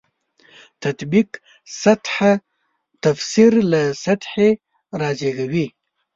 تطبیق سطح تفسیر له سطحې رازېږي.